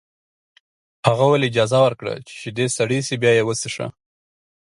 هغه وویل اجازه ورکړه چې شیدې سړې شي بیا یې وڅښه